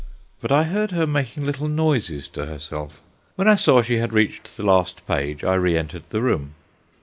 But I heard her making little noises to herself. When I saw she had reached the last page, I re entered the room.